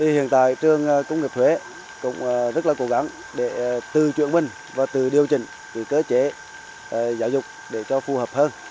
hiện tại trường công nghiệp huế cũng rất là cố gắng để tự chuyển minh và tự điều chỉnh tự cơ chế giáo dục để cho phù hợp hơn